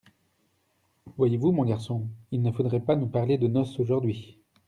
Voyez-vous, mon garçon ! il ne faudrait pas nous parler de noces aujourd’hui !